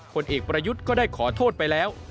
ผลเอกประยุทธ์ก็ได้ขอโทษไปแล้ว